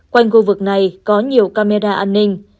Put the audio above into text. quanh khu vực này có nhiều camera an ninh